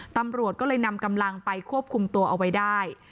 ตำรวจก็เลยนำกำลังไปควบคุมตัวเอาไว้ได้